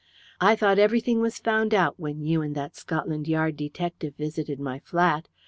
"I thought everything was found out when you and that Scotland Yard detective visited my flat.